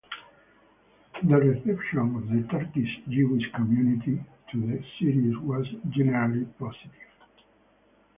The reception of the Turkish Jewish community to the series was generally positive.